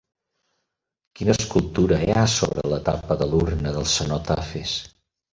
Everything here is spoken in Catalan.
Quina escultura hi ha sobre la tapa de l'urna dels cenotafis?